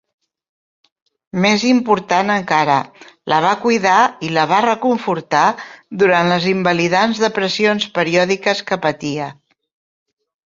Més important encara, la va cuidar i la va reconfortar durant les invalidants depressions periòdiques que patia.